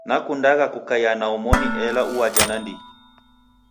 Nakudagha kukaya na omoni ela uwaja na ndighi.